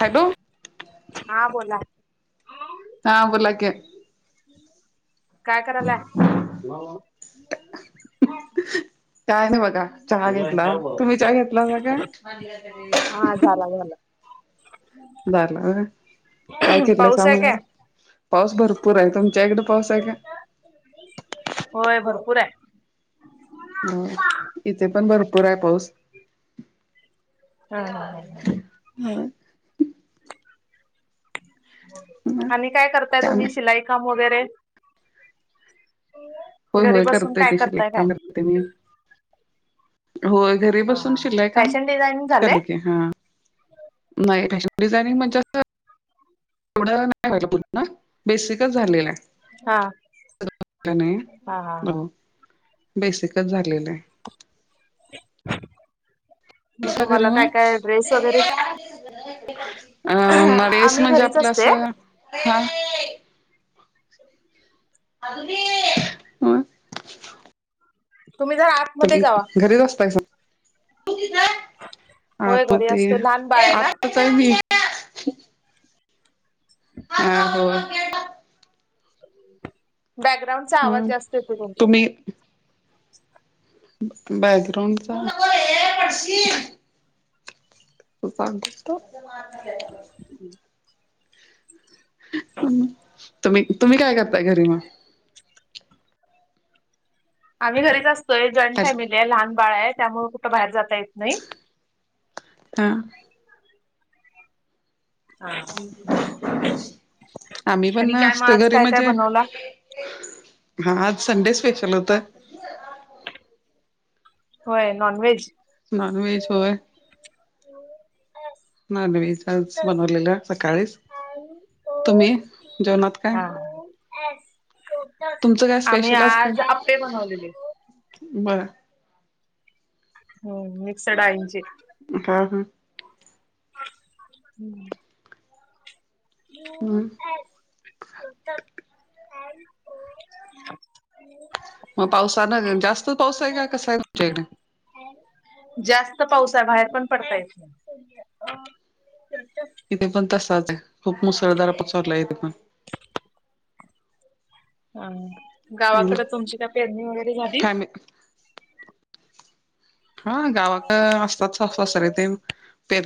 Hello हा बोला हा बलाक काय करला [inaudible] काय नाही बघा चहा घेतला तुम्ही चहा घेतला ना का हा झाला झाला झारला काय केलंय पाऊस आहे सांगग काय? पाऊस भरपूर आहे तुमच्या इकडे पाऊस आहे का पुरे होय इथे पण हा हा हा हो मग आणि काय करताय तुम्ही शिलाई काम वगैरे होय घरी होय बसून करतोय काय कशी करताय काय? काम करते मी होय घरी हा बसून हा हा शिलाय काम फॅशन डिझायनिंग क झालंय? की हा नाही त्याच्या डिझायनिंग म्हणजे असं एवढं नाही वाट पुन्हा बेसिकच झालेला हा हा हा बेसिकच झालेले हम क घरी म नस आम्ही म्हणजे घरीच आपला असते हा ह तुम्ही जर आतमध्ये तुम् जावा घरीच असताय होय आता घरी ते असते लहान बाळ आहे ना आताच म ह हो बॅकग्राउंडचा आवाज हम्म जास्त येतो तुमच्या तुम्ही बॅकग्राउंडचा उफार देतो तुम्ही तुम्ही काय करताय घरी मं आम्ही घरीच असतोय जॉईंट फॅमिली आहे, लहान बाळ आहे त्यामुळे कुठं बाहेर जाता येत नाही हा हा आम्ही आणि पण काय मग असतो आज घरी काय काय म्हणजे बनवला? हा आज संडे स्पेशल होतं होय नॉनव्हेज नॉनव्हेज होय. नाँनव्हेजच बनवलेलं सकाळीच. तुम्ही जेवनात काय? हा. तुमचं काय आम्ही स्पेशल काय आज आप्पे बनवलेले. बरं हो मिक्सडाळीची हा हा! हूं! हम्म य एस तर [unintelligible] [unintelligible] म पावसानं जास्त पाऊस आहे का, कसा आहे तुमच्याईकड. जास्त पाऊस आहे बाहेर पण पडता येत नाही. इथे पण तसाच आहे खूप मुसळधार पसरलाय इथे पण हम पण गावाकडे तुमची काय पेरणी वगैरे झाली फॅमि हा गावाकडं असतात सासु ससरे ते पेर